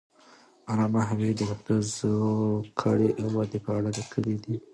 علامه حبیبي د پښتو د زوکړې او ودې په اړه لیکنې کړي دي.